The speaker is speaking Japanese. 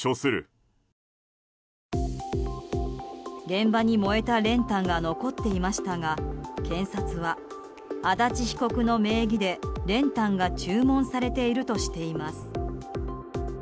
現場に燃えた練炭が残っていましたが検察は、足立被告の名義で練炭が注文されているとしています。